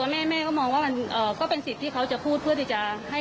แม่เชื้ออย่างนี้ก็ไม่มีอะไรที่จะกังวลใจ